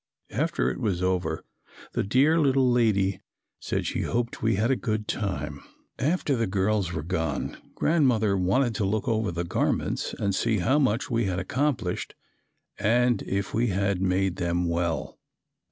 After it was over, the "dear little lady" said she hoped we had a good time. After the girls were gone Grandmother wanted to look over the garments and see how much we had accomplished and if we had made them well.